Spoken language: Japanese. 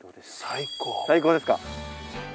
最高ですか？